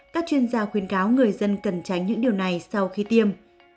các chuyên gia khuyến cáo người dân cần tránh những điều này sau khi tiêm